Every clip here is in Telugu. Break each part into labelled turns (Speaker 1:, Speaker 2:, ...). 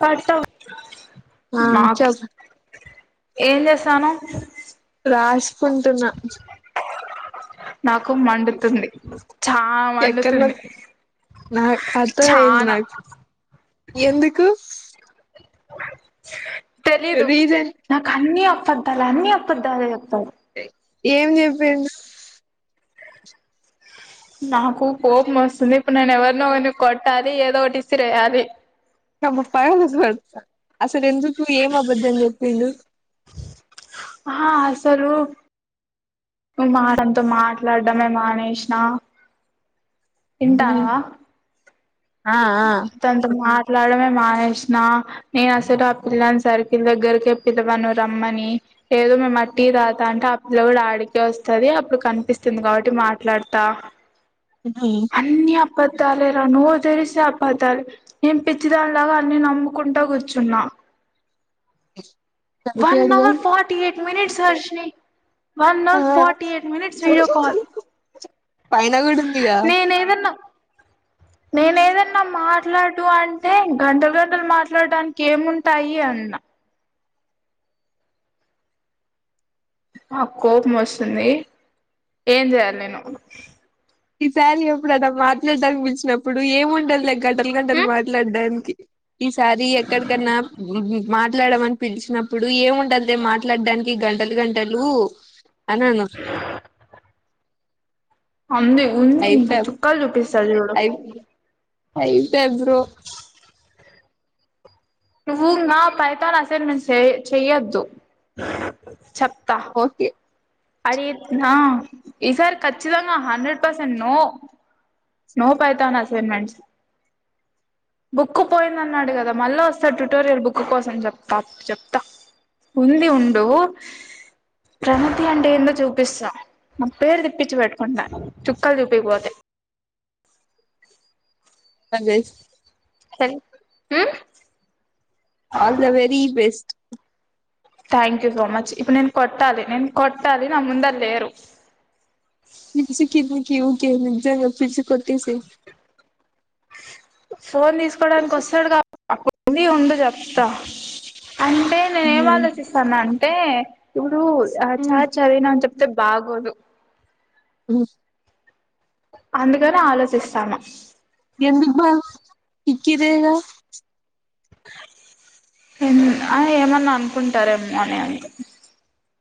Speaker 1: పడతవ్
Speaker 2: ఆ
Speaker 1: నాకు
Speaker 2: చెప్
Speaker 1: ఏం చేస్తానవ్
Speaker 2: రాస్కుంటున్నా
Speaker 1: నాకు మండుతుంది చానా
Speaker 2: ఎక్కన్నా
Speaker 1: మండుతుంది
Speaker 2: నా అర్థమయింది
Speaker 1: చానా
Speaker 2: నా ఎందుకు
Speaker 1: తెలీదు
Speaker 2: రీజన్
Speaker 1: నాకన్నీ బద్దాలు అన్నీ అపద్దాలే చెప్తావ్
Speaker 2: ఏమ్ చెప్పిండు
Speaker 1: నాకు కోపమొస్తుంది ప్పుడు నేనెవరినో [unintelligible] కొట్టాలి ఏదోకటిసిరేయాలి
Speaker 2: [unintelligible] అసలెందుకు ఏం అబద్దం చెప్పిండు
Speaker 1: ఆ అసలు ను మాటతో మాట్లాడ్డమే మానేసినా
Speaker 2: ఉమ్
Speaker 1: ఇంటానావా
Speaker 2: ఆ ఆ
Speaker 1: తంత మా మాట్టాడమే మానేసినా నేనసలు ఆ పిల్లాని సర్కిల్ దగ్గరకే పిలవను రమ్మని ఏదో మేమటీ తాతా అంటే ఆ పిల్ల కూడా ఆడికే వస్తది అప్పుడు కనిపిస్తుంది కాబట్టి మాట్లాడతా
Speaker 2: ఉమ్
Speaker 1: అన్నీ అప పద్దాలేరా నోరు తెరిస్తే అపద్దాలే నేన్ పిచ్చిదానిలాగా అన్ని నమ్ముకుంటా కూర్చున్నా
Speaker 2: గందుకే
Speaker 1: వన్
Speaker 2: అడిగా
Speaker 1: hour forty eight minutes Harshini one
Speaker 2: ఆ
Speaker 1: hour forty eight minutes video call
Speaker 2: పైన కూడా ఉందిగా
Speaker 1: నేనేదన్నా నేనేదన్నా మా మాట్లాడు అంటే గంటలు గంటలు మాట్లాడ్డానికేముంటాయి అన్న కోపమొస్తుంది ఏంచేయాలి నేను
Speaker 2: ఈసారి ఎప్పుడద మాట్లాడ్డానికి పిలిచినప్పుడు ఏమి ఉండదు దగ్ గంటల్ గంటల్
Speaker 1: ఉమ్
Speaker 2: మాట్లాడ్డానికి ఈసారి ఎక్కడికన్నా [unintelligible] మాట్లాడమని పిలిచినప్పుడు ఏంముండద్దే మాట్లాడడానికి గంటలు గంటలు అనను
Speaker 1: అంది ఉందింక
Speaker 2: అయిపాయ్
Speaker 1: చుక్కలు చూపిస్తా చూడు
Speaker 2: అయి అయిపాయ్ బ్రో
Speaker 1: నువ్వు నా ఫైతాన్ అసైన్మెంట్ చె చెయ్యొద్దు చె
Speaker 2: ఓకే
Speaker 1: అడి ఆ ఈసారి ఖచ్చితంగా hundred percent no no Python assignments book పోయిందన్నాడు కదా మళ్ళా వస్తాడ్ ట్యూటోరియల్ బుక్ కోసం చెప్తా అప్పుడ్ చెప్తా ఉంది ఉండు [unintelligible] గతి అంటే ఏందో చూపిస్తా. నా పేరు తెప్పించి పెట్టుకుంటా చుక్కలు చూపియ్ పోతే
Speaker 2: [unintelligible]
Speaker 1: సరే hmm
Speaker 2: all the very best
Speaker 1: thank you so much ఇప్పుడు నేను కొట్టాలి నేను కొట్టాలి నా ముంద లేరు
Speaker 2: ఫిల్సికి ఎందుకే ఊకే నిజ్జంగా పిల్సీ కొట్టేసే
Speaker 1: ఫోన్ తీసుకోడానికి వస్తాడుగా అప్ అప్పుడ్ ఉంది చెప్తా అంటే నేనేం ఆలోచిస్తున్నాన్ తే ఇప్పుడు ఆ చఛా చదివినా ఆన్ చెప్... అంతే బాగోదు
Speaker 2: అ
Speaker 1: అందుకనే ఆలోచిస్తాన
Speaker 2: ఎందుకు బ ఇక్కిదేగా
Speaker 1: ఏమన్నా అనుకుంటారేమో అని అంతె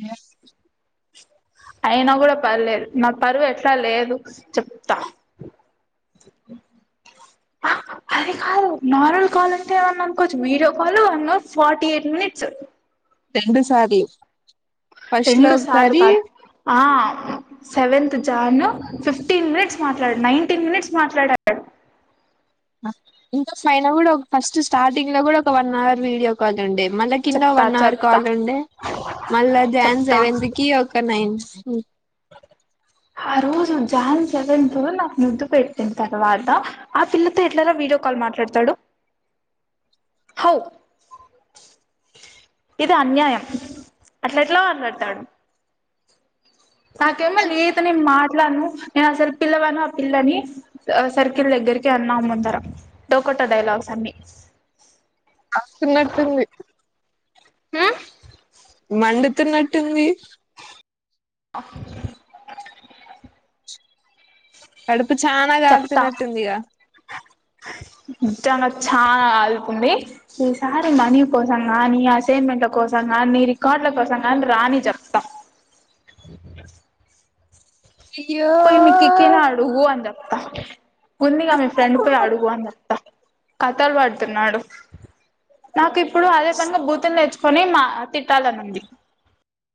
Speaker 2: ఎ
Speaker 1: అయిన కూడ పర్లేదు న పరువు ఎట్లా లేదు చెప్తా అది కాదు నార్మల్ కాల్ అంటే ఏమన్నా అనుకోవచ్చు video call one hour forty eight minutes
Speaker 2: రెండు సార్లు ఫస్ట్ లో
Speaker 1: రెండు సార్లు
Speaker 2: ఒకసారి
Speaker 1: కాదు ఆ సెవెంత్ జాన్ ఫిఫ్టీన్ మినిట్స్ మాట్లాడుడు నైన్టీన్ మినిట్స్ మాట్లాడాడు
Speaker 2: ఇంకా పైన కూడా ఒక ఫస్ట్ స్టార్టింగ్ల కూడా ఒక వన్ అవర్ వీడియో కాల్ ఉండే మళ్ళా కింద
Speaker 1: చెప్తా
Speaker 2: వన్ అవర్
Speaker 1: చెప్తా
Speaker 2: కాల్ ఉండే మళ్ళా జాన్
Speaker 1: చెప్తా
Speaker 2: సెవెంత్ కి ఒక నైన్ మ్
Speaker 1: ఆ రోజు జాన్ సెవెంత్ నాకు ముద్దు పెట్టిన తర్వాత, ఆ పిల్లతో ఎట్లార వీడియో కాల్ మాట్లాడతాడు ఇది అన్యాయం అట్లాట్లా మాట్లాడతాడు నాకేమో [unintelligible] పలను నేను అసలు పిల్లవాను ఆ పిల్లని సర్కిల్ దగ్గరికి అన్నా ముందర, డోకట డైలాగ్స్ అన్ని
Speaker 2: ఆస్తునట్టుంది మండుతున్నట్టుంది అడుప్ ఇప్పుడు చాలా
Speaker 1: చెప్తా
Speaker 2: కాలుతునట్టుంది ఇగ
Speaker 1: నిజంగా చానా కాలుతుంది, ఈసరి మనీ కోసం గాని, అసైన్మెంట్ కోసం గానీ, రికార్డుల కోసం గాని, రాని చెప్త
Speaker 2: అయ్యో
Speaker 1: ముందుగా మీ ఫ్రెండ్ పోయి అడుగు అని చెప్త కథల్ పడ్తూన్నాడు నాకిప్ ఇప్పుడు అదే కనుక బూతులు నెర్చ్ నేన్ మా తిట్టాలనుంది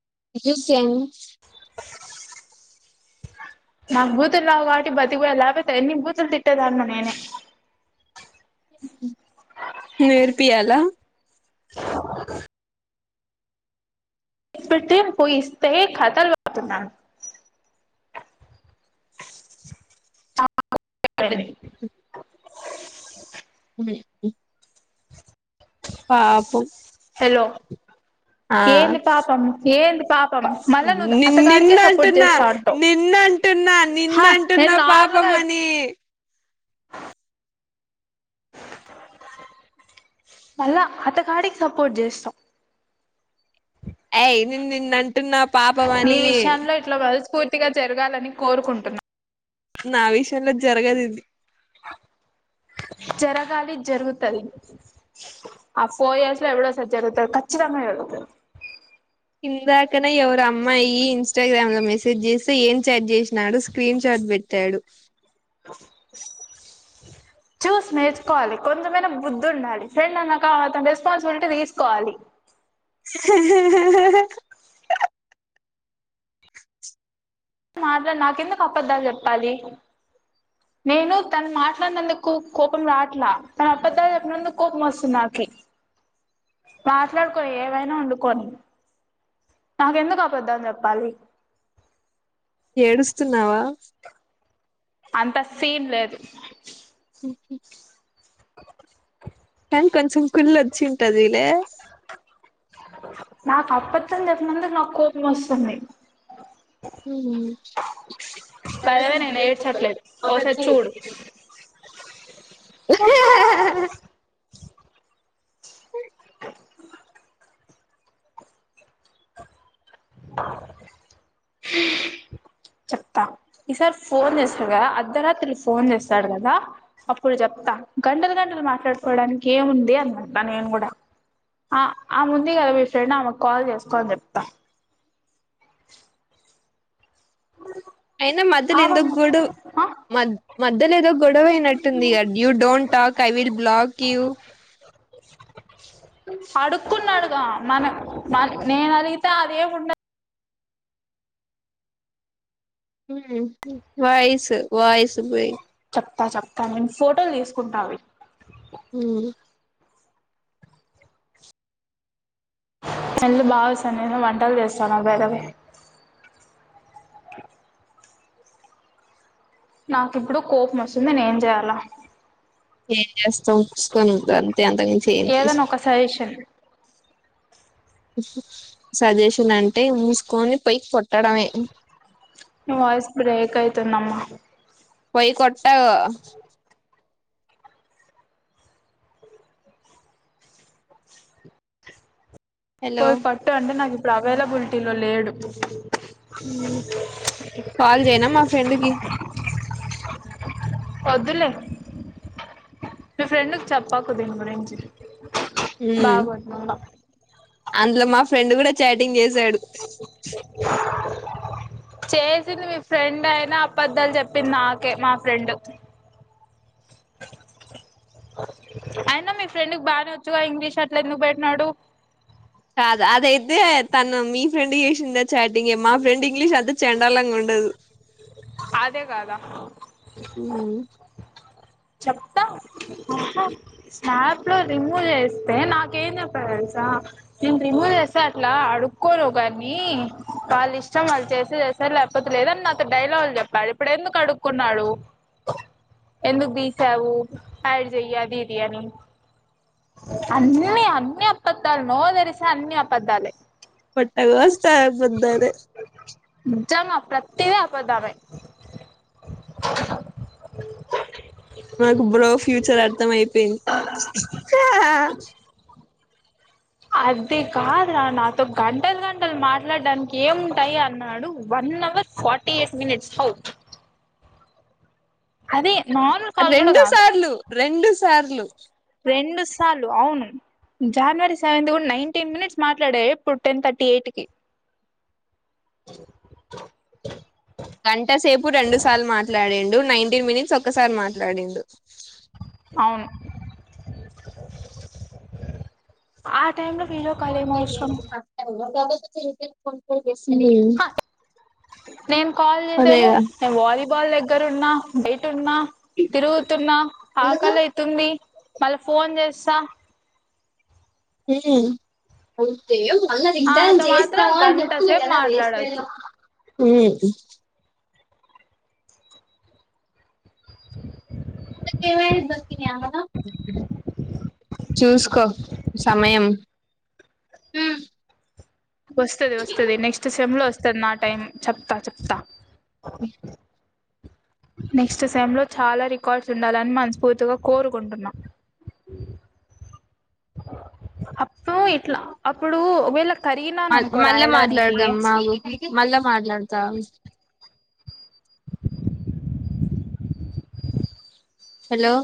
Speaker 2: [unintelligible]
Speaker 1: నా బూతుల్ రావ్ కాబట్టి బతికిపోయావ్ లేకపోతే ఎన్ని బూతులు తిట్టేదాన్నో నేనె
Speaker 2: నేర్పియాలా
Speaker 1: ఇపటి పోయిస్తస్త కథలు వతున్నాను ఆ
Speaker 2: హ్మ్ పాపం
Speaker 1: హలో ఏంది పాపం ఏంది పాపం మళ్ళా నువ్వు
Speaker 2: నే
Speaker 1: అతగాడికే
Speaker 2: నిన్ను
Speaker 1: సపోర్ట్
Speaker 2: అంటున్నా.
Speaker 1: చేస్తా అంటావ్
Speaker 2: నిన్ను అంటున్నా.
Speaker 1: హా
Speaker 2: నిన్ను
Speaker 1: నేను
Speaker 2: అంటున్నా
Speaker 1: నార్మల్గా
Speaker 2: పాపమని.
Speaker 1: మళ్ళా అతగాడికి సపోర్ట్ చేస్తవ్
Speaker 2: ఏయ్ నిన్ నిన్ అన్ అంటున్నా పాపం అని
Speaker 1: పూర్తిగా జరగాలని కోరుకుంటున్నా.
Speaker 2: నా విషయంలో జరగదిది.
Speaker 1: జరగాలి జరుగుతది. ఆ ఫోర్ ఇయర్స్ లో ఎవడోసారి జరుగుతది ఖచ్చితంగా జరుగుతది.
Speaker 2: ఇందాకనే ఎవరో అమ్మాయి ఇన్స్టాగ్రామ్ లో మెసేజ్ చేస్తే ఏం చాట్ చేసినాడు స్క్రీన్ షాట్ పెట్టాడు.
Speaker 1: చూసి నేర్చుకోవాలి. కొంచెమైనా బుద్ధి ఉండాలి. ఫ్రెండ్ అన్నాక అతని రెస్పాన్సిబిలిటీ తీసుకోవాలి. మాట్లాడు నాకెందుకు అపద్దాలు జెప్పాలి నేను తను మాట్లాడినందుకు కోపం రాట్లా తను అబద్దాలు చెప్పినందుకు కోపం వస్తుంది నాక మాట్లాడుకొని ఏమైనా వండుకొని నాకెందుకు అబద్దం చెప్పాలి
Speaker 2: ఏడుస్తున్నావా
Speaker 1: అంత సీన్ లేదు
Speaker 2: కానీ కొంచెం కుల్లొచ్చింటదిలే
Speaker 1: నాకు అప్పత్తం చెప్పినందు నాకు కోపం వస్తుంది బైదవే నేను ఏడ్చట్లేదు ఓసారి చూడు
Speaker 2: ఊహు
Speaker 1: చెప్త ఫోన్ చేస్తారుగా అద్ద రాత్ర అత ఫోన్ చేస్తాడు కదా అప్పుడు చెప్తా గంటలు గంటలు మాట్లాడుకోవడానికి ఏముంది అన అంటా నేను కూడా ఆ ముంది కదా మీ ఫ్రెండ్ ఆమెకు కాల్ చేసుకో అని చెప్తా
Speaker 2: అయినా మధ్యలో
Speaker 1: ఆమె
Speaker 2: ఎందుకు గుడు
Speaker 1: ఆ
Speaker 2: మ మద్ద లేదో గొడవనట్టుంది you don't talk I will block you
Speaker 1: అడుక్కున్నాడుగా మన మ నేను అడిగితే అదేమిండదు
Speaker 2: వాయిస్ వాయిస్ పోయి
Speaker 1: చెప్తా చెప్తా మే ఫోటో తీస్త కుంటావే
Speaker 2: ఉ
Speaker 1: నల్లు బాగా సన్నిహం వంటలు చేస్తాను వేగవే నాకు ఇప్పుడు కోపం వస్తుంది నే ఏం చెయాలా
Speaker 2: స చేస్తాం ముసుకొని ఉంటా అంతే అంతక చేయండి
Speaker 1: ఏదైనా ఒక సజెషన్
Speaker 2: సజేషన్ అంటే మూసుకొని పైకి కొట్టడమే
Speaker 1: వయిస్ బ్రేక్ అయితుది అమ్మ
Speaker 2: పోయి కొట్ట హలో
Speaker 1: పోయి ఫట్ అంటే నాకి అవైలబిలిటీలో లేడు
Speaker 2: కాల్ జేయనా మా ఫ్రెండ్కిి
Speaker 1: వద్దులే మీ ఫ్రెండ్కి చెప్పాకు దీని గురించి
Speaker 2: ఉమ్
Speaker 1: బాగున్నాా
Speaker 2: అందులో మా ఫ్రెండ్ గూడా చాటింగ్ చేసాడు
Speaker 1: చేసింది మీ ఫ్రెండ్ అయినా అపద్దాలు చెప్పింది నాకే మా ఫ్రెండ్ అయినా మీ ఫ్రెండ్ క బాగానే వచ్చుగా ఇంగ్లీష్ అట్ల ఎందుకు పెట్టినాడు
Speaker 2: కాదు అదైతే తను మీ ఫ్రెండ్ చేసిందా చాటింగ మా ఫ్రెండ్ ఇంగ్లీష్ అంత చెండాలంగా ఉండదు
Speaker 1: అదే గదా
Speaker 2: హ్మ్
Speaker 1: చెప్తా స్నాప్ లో రిమూవ్ చేస్తే నాకేం చెప్ప తెలుసా నేను రిమూవ్ చేసే అట్లా అడుక్కోను కాని వాళ్ళు ఇష్టం వాళ్ళు చేస్తే చేస్తారు లేకపోతే లేదని నాకు డైలాగు్లు చెప్పాడు ఇప్పుడు ఎందుకు అడుకున్నాడు ఎందుకు సవు యాడ్ చెయ బిర్యాని అన్నిీ అన్ని అబద్ద్దాలు నోధరిసే అన్ని అబద్దాలే
Speaker 2: పొట్ట కోస్తే అబద్దాలే
Speaker 1: నిజంగా ప్రతీదీ అబద్దమే
Speaker 2: నాకు బ్రో ఫ్యూచర్ అర్థం అయిపోయింది.
Speaker 1: అది కాదురా నాతో గంటలు గంటలు మాట్లాడడానికి ఏముంటాయి అన్నాడు one hour forty eight minutes how అదే నార్మల్ కాల్ కూడా
Speaker 2: రెండు
Speaker 1: కాదు
Speaker 2: సార్లు రెండు సార్లు
Speaker 1: చాలు అవును, జనవరి సెవెంత్ కూడా నైన్టీన్ మినిట్స్ మాట్లాడ ఇప్పుడు టెన్ థర్టీ ఎయిట్ కి
Speaker 2: గంటసేపు రెండు సార్లు మాట్లాడే డు నైన్టీన్ మినిట్స్ ఒక్కసారి మాట్లాడిండు.
Speaker 1: అవును టైంలో వీడియోకాల్
Speaker 2: ఫోన్
Speaker 1: ఏం
Speaker 2: పే
Speaker 1: అవసరం?
Speaker 2: [inaudible]
Speaker 1: నేను కాల్ చేసాము
Speaker 2: అదేగా
Speaker 1: నేను వాలీబాల్ దగ్గర ఉన్నా ేట్ న్నా తిరుగుతున్నా ఆకలి అయితుంది మళ్ళా ఫోన్ చేస్తా
Speaker 2: మ్ మల్ల తింటావా
Speaker 1: ఆమెతో మాత్రం
Speaker 2: చేస్తావా అని
Speaker 1: గంట
Speaker 2: చెప్తున్నా
Speaker 1: సేపు
Speaker 2: కదా
Speaker 1: మాట్లాడొచ్చు
Speaker 2: వేస్లో మ్మ్ హూ చూసుకో సమయం
Speaker 1: వస్తది వస్తది నెక్స్ట్ సెమ్ లో వస్తుంది నా టైం చెప్తా చెప్తా
Speaker 2: మ్
Speaker 1: నెక్స్ట్ సెమ్ లో చాలా రికార్డ్స్ ఉండాలని మనస్ఫూర్తిగా కోరుకుంటున్న అప్పు ఇట్లా అప్పుడు ఒకవేళ కరిగినాను
Speaker 2: మ
Speaker 1: అనుకో
Speaker 2: మళ్ళా
Speaker 1: రాయడానికి
Speaker 2: మాట్లాడదాం మాఊ మళ్ళా మాట్లాడతా హలో